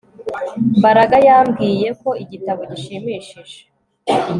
Mbaraga yambwiye ko igitabo gishimishije